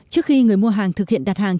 trước khi người mua hàng thực hiện đặt hàng